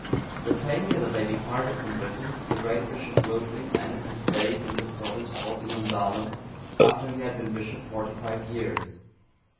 The same year that they departed from Britain, the great bishop, Wilfrid, ended his days in the province called Inundalum,(889) after he had been bishop forty five years.